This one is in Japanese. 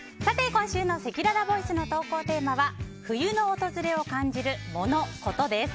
今週のせきららボイスの投稿テーマは冬の訪れを感じるモノ・コトです。